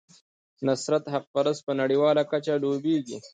نصرت حقپرست په نړیواله کچه لوبیږي.